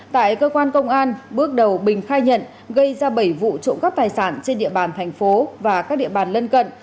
tại cơ quan công an bước đầu bình khai nhận gây ra bảy vụ trộm cắp tài sản trên địa bàn thành phố và các địa bàn lân cận